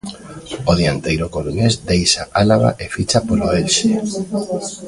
O dianteiro coruñés deixa Álava e ficha polo Elxe.